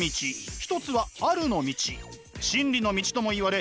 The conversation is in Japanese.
一つはあるの道真理の道ともいわれ